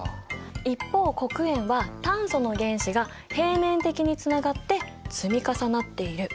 一方黒鉛は炭素の原子が平面的につながって積み重なっている。